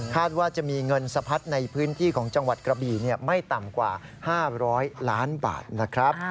ว่าจะมีเงินสะพัดในพื้นที่ของจังหวัดกระบี่ไม่ต่ำกว่า๕๐๐ล้านบาทนะครับ